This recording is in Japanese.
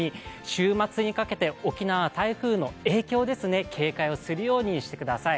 週末にかけて沖縄、台風の影響、警戒をするようにしてください。